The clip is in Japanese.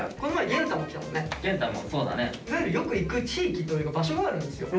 いわゆるよく行く地域というか場所があるんですよ。